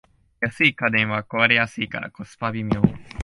安い家電は壊れやすいからコスパ微妙